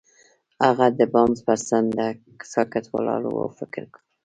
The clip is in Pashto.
هغه د بام پر څنډه ساکت ولاړ او فکر وکړ.